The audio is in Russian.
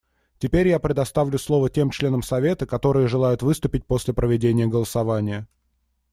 Теперь я предоставлю слово тем членам Совета, которые желают выступить после проведения голосования.